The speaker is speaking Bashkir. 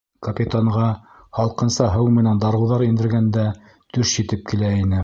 Капитанға һалҡынса һыу менән дарыуҙар индергәндә төш етеп килә ине.